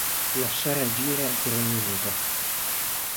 Lasciar agire per un minuto.